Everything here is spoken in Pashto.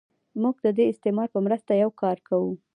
موږ د دې استعارې په مرسته یو کار کوو.